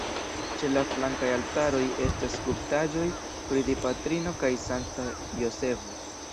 Ĉe la flankaj altaroj estas skulptaĵoj pri Dipatrino kaj Sankta Jozefo.